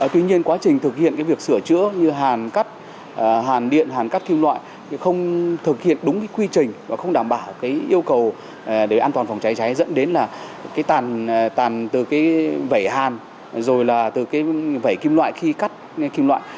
tuy nhiên quá trình thực hiện việc sửa chữa như hàn cắt hàn điện hàn cắt kim loại không thực hiện đúng cái quy trình và không đảm bảo yêu cầu để an toàn phòng cháy cháy dẫn đến là cái tàn tàn từ cái vẩy hàn rồi là từ cái vẩy kim loại khi cắt kim loại